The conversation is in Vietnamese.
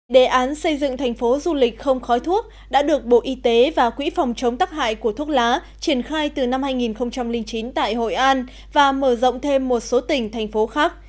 đề án xây dựng thành phố du lịch không khói thuốc đã được bộ y tế và quỹ phòng chống tắc hại của thuốc lá triển khai từ năm hai nghìn chín tại hội an và mở rộng thêm một số tỉnh thành phố khác